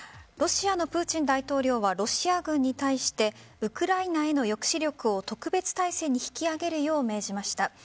ロシアのプーチン大統領はロシア軍に対してウクライナへの抑止力を特別態勢に引き上げるよう命じました。